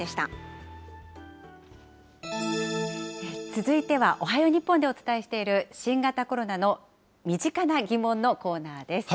続いてはおはよう日本でお伝えしている、新型コロナの身近な疑問のコーナーです。